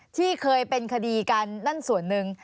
ที่เคยเป็นคดีกันนั่นส่วนหนึ่ง